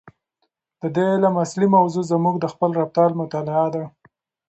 د دې علم اصلي موضوع زموږ د خپل رفتار مطالعه ده.